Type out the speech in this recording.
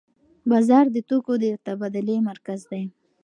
بازار د توکو د تبادلې مرکز دی.